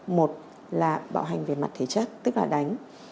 một là bạo hành về mặt thể chất tức là đánh